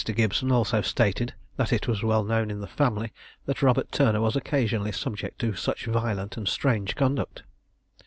Gibson also stated that it was well known in the family that Robert Turner was occasionally subject to such violent and strange conduct.